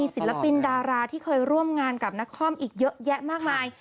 ศิลปินดาราที่เคยร่วมงานกับนครอีกเยอะแยะมากมาย